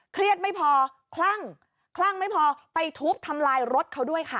เครียดไม่พอคลั่งคลั่งไม่พอไปทุบทำลายรถเขาด้วยค่ะ